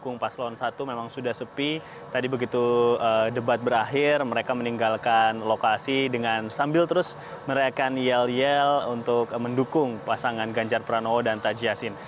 karena pasangan calon nomor urut satu memang sudah sepi tadi begitu debat berakhir mereka meninggalkan lokasi dengan sambil terus mereka nyal nyal untuk mendukung pasangan ganjar pranowo dan taji yasin